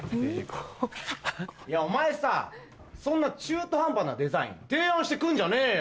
お前さそんな中途半端なデザイン提案して来るんじゃねえよ！